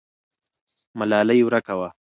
ملالۍ ورکه وه.